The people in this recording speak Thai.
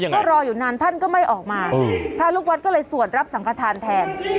ก็รออยู่นานท่านก็ไม่ออกมาพระลูกวัดก็เลยสวดรับสังขทานแทน